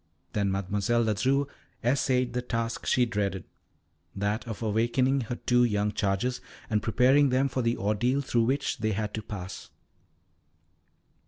Then Mademoiselle Ledru essayed the task she dreaded that of awaking her two young charges, and preparing them for the ordeal through which they had to pass.